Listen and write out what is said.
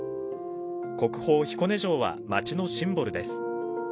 国宝・彦根城は町のシンボルです。